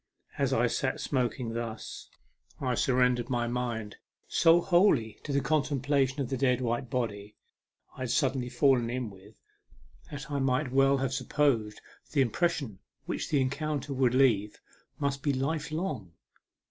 As I sat smoking thus, I surrendered my A MEMORABLE SWIM. 59 mind so wholly to contemplation of the dead white body I had suddenly fallen in with, that I might well have supposed the impression which the encounter would leave must be life long.